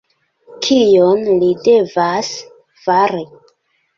Kion li devas fari?